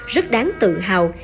rất đáng tự hào